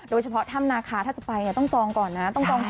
โดยเฉพาะถ้ำนาคาถ้าจะไปต้องจองก่อนนะ